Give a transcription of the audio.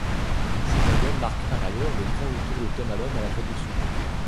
Cet album marque par ailleurs le grand retour de Tom Allom à la production.